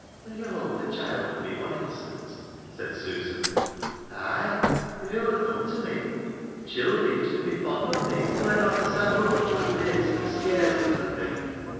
' Will you hold the child for me one instant 1 ' said Susan. " Ay, if it will come to me. Childer used to be fond on me till I got the sad look on my face that scares them, I think.'